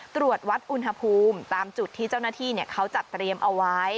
ตรวจวัดอุณหภูมิตามจุดที่เจ้าหน้าที่เขาจัดเตรียมเอาไว้